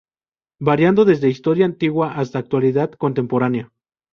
Variando desde historia antigua hasta actualidad contemporánea.